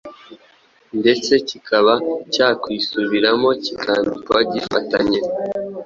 ndetse kikaba cyakwisubiramo kikandikwa gifatanye.